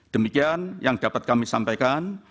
demikian yang dapat kami sampaikan